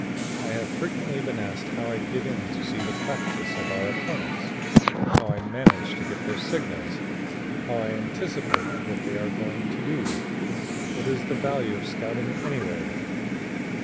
"I have frequently been asked how I get in to see the practice of our opponents, how I manage to get their signals, how I anticipate what they are going to do, what is the value of scouting anyway.